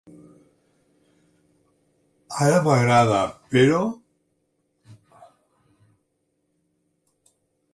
Ara m'agrada, però.